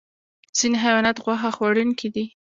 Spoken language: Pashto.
ځینې حیوانات غوښه خوړونکي دي